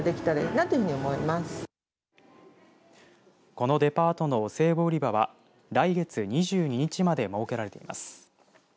このデパートのお歳暮売り場は来月２２日まで設けられています。